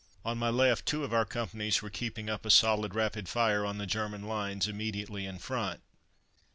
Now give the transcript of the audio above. On my left, two of our companies were keeping up a solid rapid fire on the German lines immediately in front.